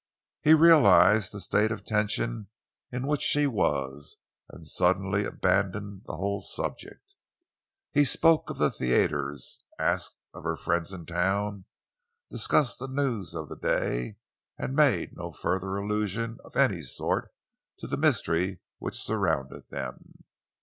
He realised the state of tension in which she was and suddenly abandoned the whole subject. He spoke of the theatres, asked of her friends in town, discussed the news of the day, and made no further allusion of any sort to the mystery which surrounded them.